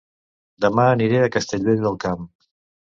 Dema aniré a Castellvell del Camp